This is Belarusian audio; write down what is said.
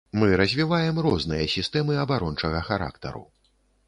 Мы развіваем розныя сістэмы абарончага характару.